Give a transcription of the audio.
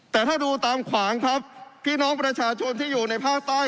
แต่ถ้าดูตามขวางครับพี่น้องประชาชนที่อยู่ในภาคใต้